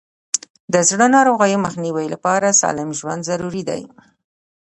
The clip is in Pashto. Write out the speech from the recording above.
د زړه ناروغیو مخنیوي لپاره سالم ژوند ضروري دی.